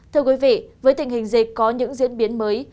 thưa quý vị với tình hình dịch có những diễn biến mới